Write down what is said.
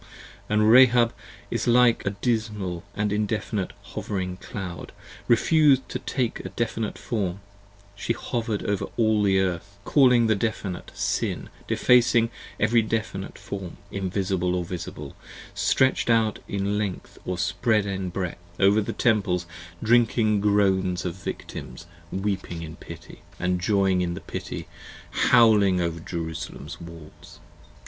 And Rahab like a dismal and indefinite hovering Cloud Refus'd to take a definite form, she hover'd over all the Earth Calling the definite, sin, defacing every definite form: Invisible or Visible, stretch'd out in length or spread in breadth 55 Over the Temples, drinking groans of victims weeping in pity, And joying in the pity, howling over Jerusalem's walls.